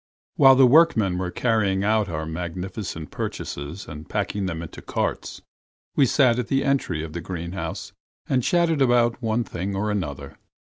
While the workmen were carrying out our magnificent purchases and packing them into the carts, we sat at the entry of the greenhouse and chatted about one thing and another.